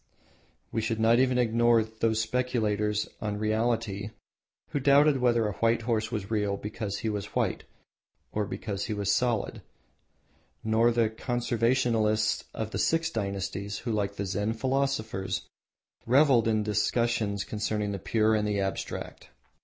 We should not even ignore those speculators on Reality who doubted whether a white horse was real because he was white, or because he was solid, nor the Conversationalists of the Six dynasties who, like the Zen philosophers, revelled in discussions concerning the Pure and the Abstract.